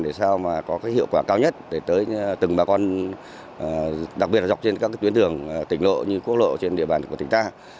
để sao mà có cái hiệu quả cao nhất để tới từng bà con đặc biệt là dọc trên các tuyến đường tỉnh lộ như quốc lộ trên địa bàn của tỉnh ta